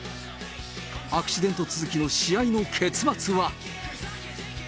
アクシデント続きの試合の結末は。